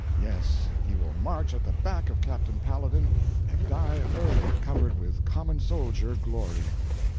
Yes, he will march at the back of Captain Paladin and die early, covered with common soldier glory."